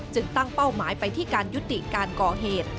ตั้งเป้าหมายไปที่การยุติการก่อเหตุ